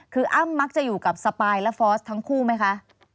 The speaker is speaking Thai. คืออ้ำมักจะอยู่กับสปายและฟอสทั้งคู่ไหมคะ